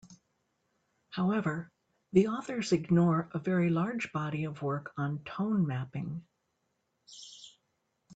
However, the authors ignore a very large body of work on tone mapping.